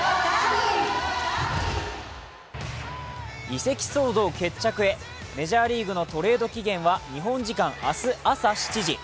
移籍騒動決着へ、メジャーリーグのトレード期限は日本時間明日７時。